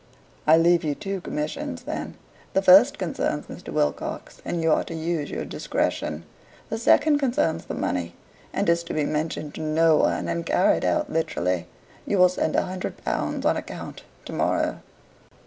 "I leave you two commissions, then. The first concerns Mr. Wilcox, and you are to use your discretion. The second concerns the money, and is to be mentioned to no one, and carried out literally. You will send a hundred pounds on account tomorrow."